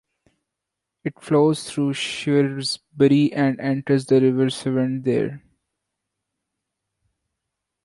It flows through Shrewsbury and enters the River Severn there.